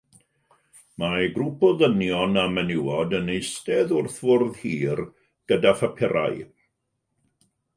Mae grŵp o ddynion a menywod yn eistedd wrth fwrdd hir gyda phapurau